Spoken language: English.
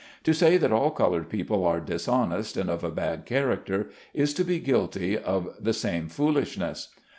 To say that all colored people are dishonest and of a bad character, is to be guilty of the same foolishness.